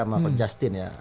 sama justin ya